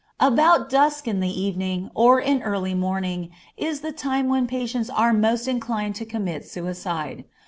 About dusk in the evening, or at early morning, is the time when patients are most inclined to commit suicide.